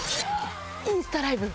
「インスタライブ」？